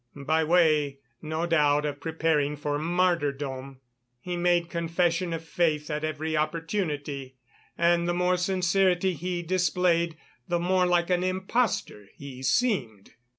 By way, no doubt, of preparing for martyrdom, he made confession of faith at every opportunity, and the more sincerity he displayed, the more like an impostor he seemed.